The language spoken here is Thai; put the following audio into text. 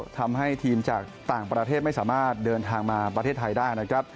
ทำให้ทีมจากต่างประเทศไม่สามารถเดินทางมาประเทศไทยได้นะครับ